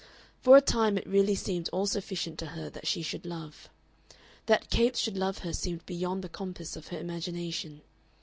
For a time it really seemed all sufficient to her that she should love. That Capes should love her seemed beyond the compass of her imagination.